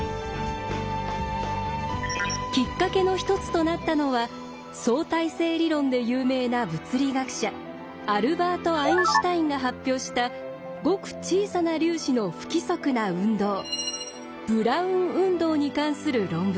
きっかけの１つとなったのは相対性理論で有名な物理学者アルバート・アインシュタインが発表したごく小さな粒子の不規則な運動「ブラウン運動」に関する論文です。